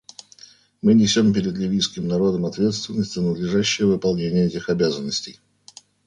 Мы несем перед ливийским народом ответственность за надлежащее выполнение этих обязанностей.